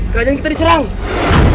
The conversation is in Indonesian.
kerajaan kita diserang